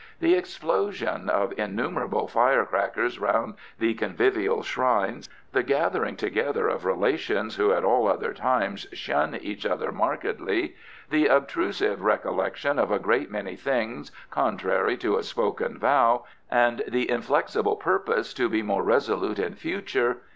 The explosion of innumerable fire crackers round the convivial shrines, The gathering together of relations who at all other times shun each other markedly. The obtrusive recollection of a great many things contrary to a spoken vow, and the inflexible purpose to be more resolute in future.